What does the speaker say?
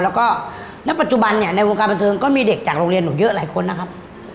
แล้วก็ณปัจจุบันเนี่ยในวงการบันเทิงก็มีเด็กจากโรงเรียนหนูเยอะหลายคนนะครับ